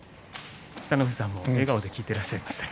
北の富士さんも笑顔で聞いてらっしゃいました。